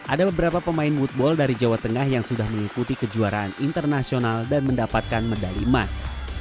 ada beberapa pemain woodball dari jawa tengah yang sudah mengikuti kejuaraan internasional dan mendapatkan medali emas